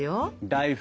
大福？